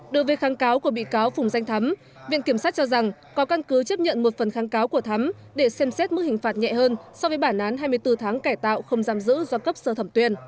đối với kháng cáo của bị cáo phùng danh thắm viện kiểm sát cho rằng có căn cứ chấp nhận một phần kháng cáo của thắm để xem xét mức hình phạt nhẹ hơn so với bản án hai mươi bốn tháng cải tạo không giam giữ do cấp sơ thẩm tuyên